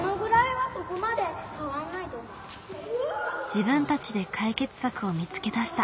自分たちで解決策を見つけ出した。